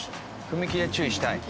「踏切は注意したい」。